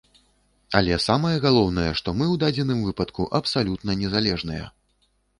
Але самае галоўнае, што мы ў дадзеным выпадку абсалютна незалежныя.